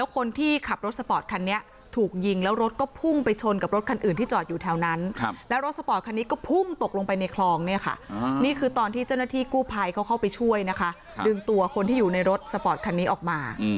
กูไพเขาเข้าไปช่วยนะคะดึงตัวคนที่อยู่ในรถสปอร์ตคันนี้ออกมา